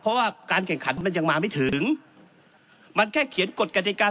เพราะว่าการแข่งขันมันยังมาไม่ถึงมันแค่เขียนกฎกฎิกา